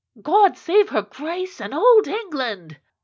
"God save her Grace and old England!"